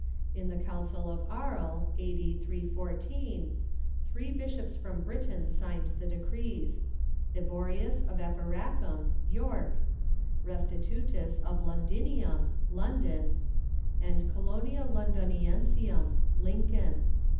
In the Council of Aries, a.d. Sl i, three bishops from Britain signed the decrees — Eborius, of Eboracum (York), Restitutus, of Londinium (London), and Colonia Lon diniensium (Lincoln).